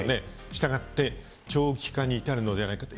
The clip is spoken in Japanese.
したがって長期化に至るのではないかと。